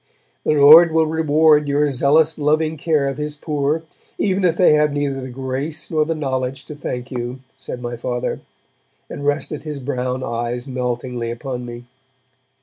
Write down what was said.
'The Lord will reward your zealous loving care of his poor, even if they have neither the grace nor the knowledge to thank you,' said my Father, and rested his brown eyes meltingly upon me.